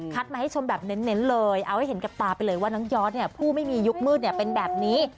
มาให้ชมแบบเน้นเลยเอาให้เห็นกับตาไปเลยว่าน้องยอดเนี่ยผู้ไม่มียุคมืดเป็นแบบนี้